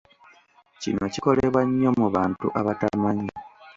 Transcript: Kino kikolebwa nnyo mu bantu abatamanyi.